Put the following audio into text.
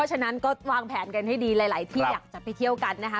ฉะนั้นก็วางแผนกันให้ดีหลายที่อยากจะไปเที่ยวกันนะคะ